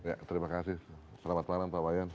ya terima kasih selamat malam pak wayan